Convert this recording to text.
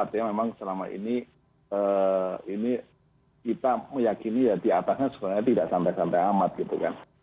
artinya memang selama ini ini kita meyakini ya di atasnya sebenarnya tidak santai santai amat gitu kan